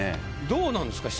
どうなんですか？